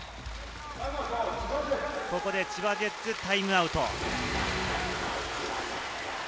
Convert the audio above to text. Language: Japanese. ここで千葉ジェッツ、タイムアウト。